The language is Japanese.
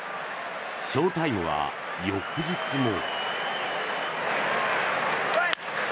翔タイムは翌日も。